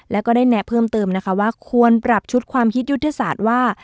แล้วก็ได้แนะเพิ่มเติมนะคะว่าควรปรับชุดความคิดยุทธศาสตร์ว่า